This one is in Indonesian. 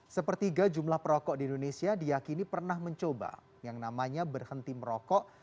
sepertiga jumlah perokok di indonesia diakini pernah mencoba yang namanya berhenti merokok